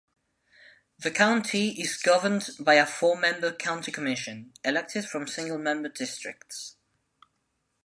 The county is governed by a four-member county commission, elected from single-member districts.